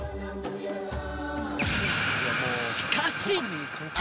しかし。